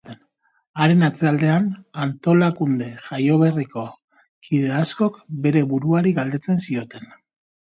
Haren atzealdean, antolakunde jaioberriko kide askok bere buruari galdetzen zioten.